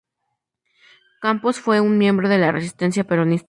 Campos fue un miembro de la resistencia peronista.